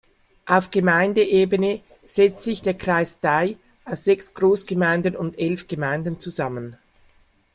Auf Gemeindeebene setzt sich der Kreis Dai aus sechs Großgemeinden und elf Gemeinden zusammen.